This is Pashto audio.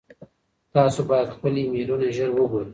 تاسو باید خپل ایمیلونه ژر وګورئ.